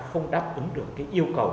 không đáp ứng được yêu cầu